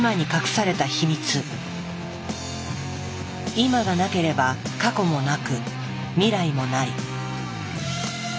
「今」がなければ過去もなく未来もない。